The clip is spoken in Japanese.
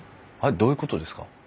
どういうことですか？